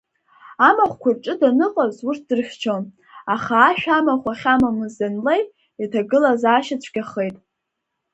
Амахәқәа рҿы даныҟаз урҭ дрыхьчон, аха ашә амахә ахьамамыз данлеи, иҭагылазаашьа цәгьахеит.